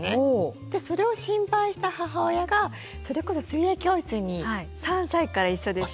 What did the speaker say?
でそれを心配した母親がそれこそ水泳教室に３歳から一緒ですね。